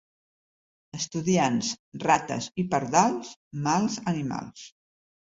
Estudiants, rates i pardals, mals animals.